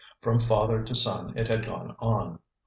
From father to son it had gone on.